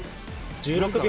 「１６秒」